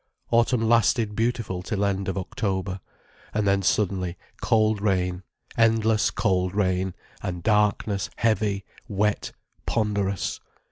Autumn lasted beautiful till end of October. And then suddenly, cold rain, endless cold rain, and darkness heavy, wet, ponderous.